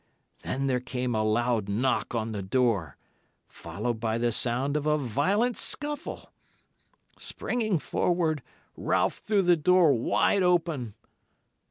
Then there came a loud knock on the door, followed by the sound of a violent scuffle. Springing forward, Ralph threw the door wide open.